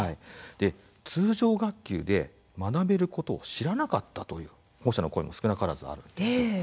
通常学級で学べることを知らなかったという保護者の声も少なからずあるんです。